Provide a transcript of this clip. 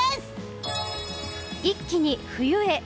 一気に冬へ。